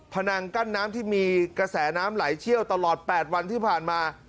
นังกั้นน้ำที่มีกระแสน้ำไหลเชี่ยวตลอด๘วันที่ผ่านมา